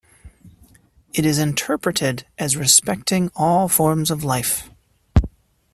It is interpreted as "respecting all forms of life.